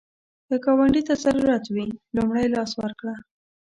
که ګاونډي ته ضرورت وي، ته لومړی لاس ورکړه